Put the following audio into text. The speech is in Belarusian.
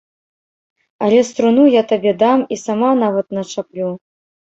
Але струну я табе дам і сама нават начаплю.